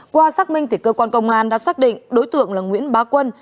qua xác minh thì cơ quan công an đã xác định đối tượng là nguyễn bá quân